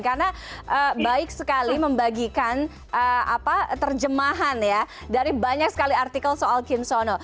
karena baik sekali membagikan terjemahan dari banyak sekali artikel soal kim sono